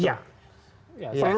kalau itu diperlukan ya